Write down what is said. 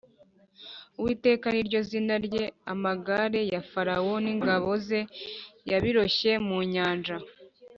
uwiteka ni ryo zina rye. “amagare ya farawo n’ingabo ze yabiroshye mu nyanja,